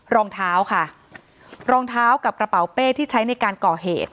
รองเท้าค่ะรองเท้ากับกระเป๋าเป้ที่ใช้ในการก่อเหตุ